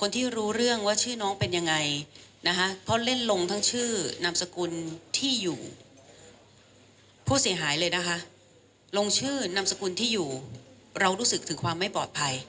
ที่อยู่เรารู้สึกถึงความไม่ปลอดภัย